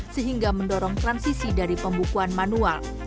sehingga mendorong transisi dari pembukuan manual